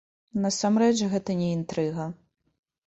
Насамрэч гэта не інтрыга.